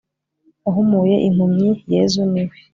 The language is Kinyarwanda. wahumuye impumyi, yezu ni we